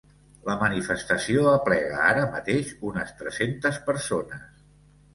La manifestació aplega ara mateix unes tres-centes persones.